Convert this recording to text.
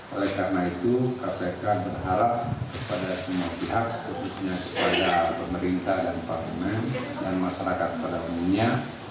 oleh karena itu kpk berharap kepada semua pihak khususnya kepada pemerintah dan parlemen dan masyarakat pada umumnya